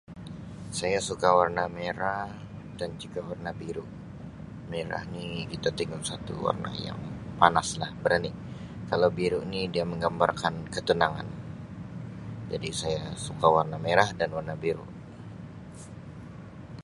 Saya suka warna merah dan juga warna biru merah ni kita tengok satu warna yang panas lah berani kalau biru ni dia menggambarkan ketenangan jadi saya suka warna merah dan warna biru.